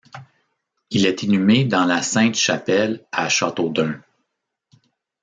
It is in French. Il est inhumé dans la Sainte-Chapelle à Châteaudun.